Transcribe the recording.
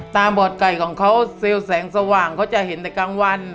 บอดไก่ของเขาเซลล์แสงสว่างเขาจะเห็นแต่กลางวัน